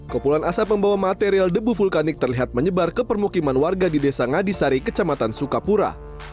kepulan asap membawa material debu vulkanik terlihat menyebar ke permukiman warga di desa ngadisari kecamatan sukapura